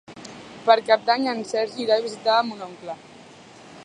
Per Cap d'Any en Sergi irà a visitar mon oncle.